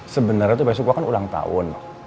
sebenernya tuh besok gue kan ulang tahun